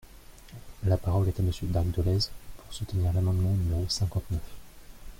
La parole est à Monsieur Marc Dolez, pour soutenir l’amendement numéro cinquante-neuf.